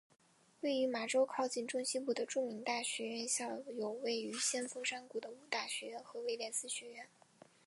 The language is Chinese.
位于麻州靠近中西部的著名大学院校有位于先锋山谷的五大学院和威廉斯学院。